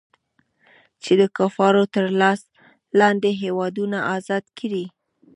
چې د کفارو تر لاس لاندې هېوادونه ازاد کړي.